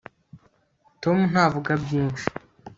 tom ntavuga byinshi